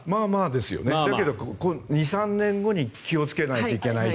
でも２３年後に気をつけないといけない。